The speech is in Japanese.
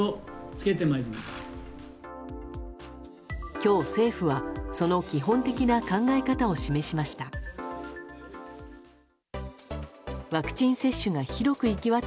今日、政府はその基本的な考え方を示しました。